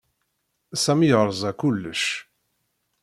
Sami yerẓa kullec.